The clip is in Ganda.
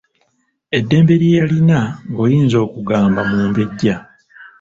Eddembe lye yalina ng'oyinza okugamba mumbejja.